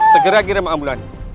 segera kirim ambulans